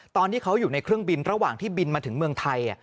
ตอนที่เขาอยู่ในเครื่องบินระหว่างที่บินมาถึงเมืองไทย